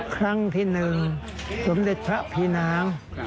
ครั้งที่๑สมเด็จพระพี่นาง